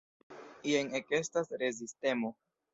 Jen ekestas rezistemo.